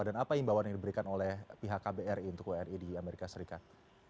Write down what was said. dan apa imbauan yang diberikan oleh pihak kbri untuk wni di amerika serikat